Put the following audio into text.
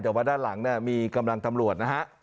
แต่ว่าด้านหลังเนี่ยมีกำลังตำรวจนะฮะ